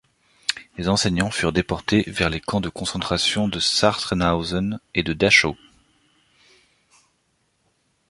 Les enseignants furent déportés vers les camps de concentration de Sachsenhausen et de Dachau.